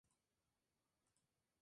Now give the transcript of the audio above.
Dirección de la Inteligencia Militar.